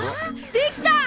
できた！